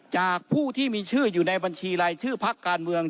จากผู้ที่มีชื่ออยู่ในบัญชีรายชื่อพักการเมือง